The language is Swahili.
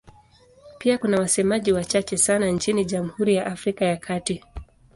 Pia kuna wasemaji wachache sana nchini Jamhuri ya Afrika ya Kati.